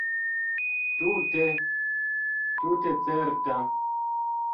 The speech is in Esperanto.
Tute, tute certa.